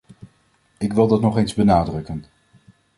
Ik wil dat nog eens benadrukken.